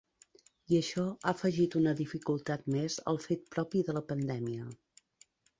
I això ha afegit una dificultat més al fet propi de la Pandèmia.